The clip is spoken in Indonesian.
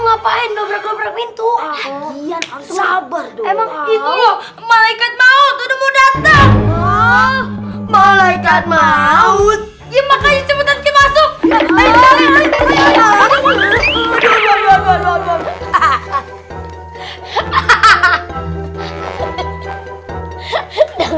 ngapain dobrak dobrak pintu sabar emang itu malaikat maut mau datang malaikat maut